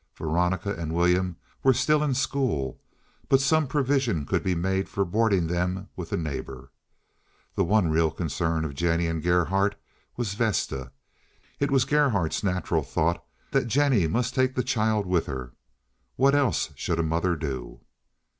Veronica and William were still in school, but some provision could be made for boarding them with a neighbor. The one real concern of Jennie and Gerhardt was Vesta. It was Gerhardt's natural thought that Jennie must take the child with her. What else should a mother do?